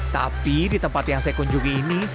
tapi di tempat yang saya kunjungi ini